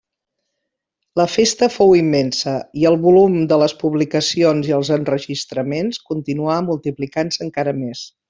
La festa fou immensa i el volum de les publicacions i els enregistraments continuà multiplicant-se encara més.